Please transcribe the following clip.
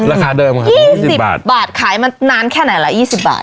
ราคาเดิมอ่ะค่ะ๒๐บาทขายมันนานแค่ไหนล่ะ๒๐บาท